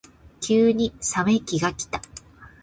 急に冷め期がきた。